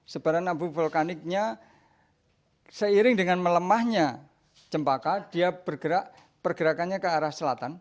sebaran abu vulkaniknya seiring dengan melemahnya cempaka dia bergerak pergerakannya ke arah selatan